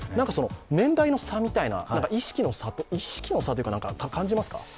年代の差みたいな、意識の差というか、感じますか？